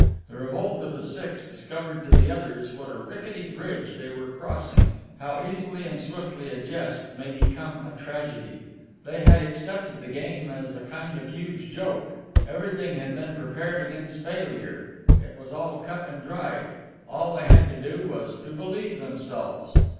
The revolt of the six discovered to the others what a rickety bridge they were crossing, how easily and swiftly a jest may become a tragedy. They had accepted the game as a kind of huge joke. Everything had been prepared against failure; it was all cut and dried; all they had to do was to believe themselves.